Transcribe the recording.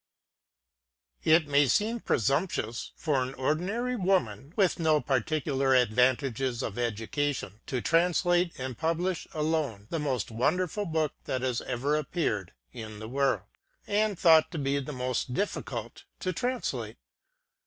Ir may seem presumptuous for an ordinary woman with no particular advan tages of education to translate and publish alone, the most wonderful book that has ever appeared in the world, and thought to be the most difficult to translate.